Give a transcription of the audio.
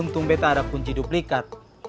untung beta ada kunci duplikat